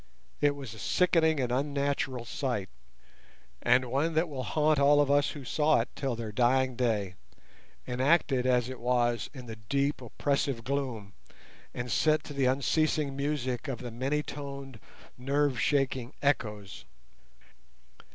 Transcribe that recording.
It was a sickening and unnatural sight, and one that will haunt all who saw it till their dying day—enacted as it was in the deep, oppressive gloom, and set to the unceasing music of the many toned nerve shaking echoes.